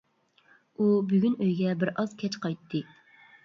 ئۇ بۈگۈن ئۆيگە بىر ئاز كەچ قايتتى.